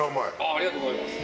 ありがとうございます。